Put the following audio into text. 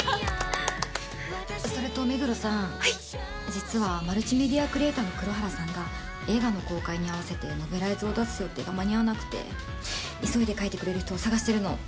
実はマルチメディアクリエイターの黒原さんが映画の公開に合わせてノベライズを出す予定が間に合わなくて急いで書いてくれる人を探してるの。